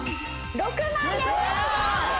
６万円！